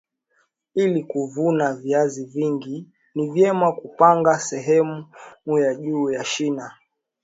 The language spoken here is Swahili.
ili kuvuna viazi vingi ni vyema kupanga sehemu ya juu ya shina